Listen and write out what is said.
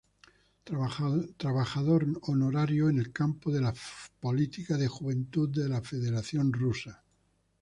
Trabajador honorario en el campo de la política de juventud de la Federación Rusa.